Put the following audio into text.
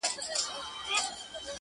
کيسه د ټولني نقد دی ښکاره,